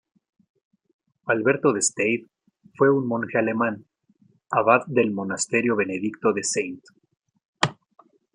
Alberto de Stade fue un monje alemán, abad del monasterio benedictino de "St.